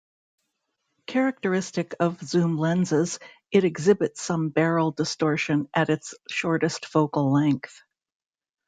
Characteristic of zoom lenses, it exhibits some barrel distortion at its shortest focal length.